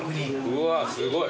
うわすごい。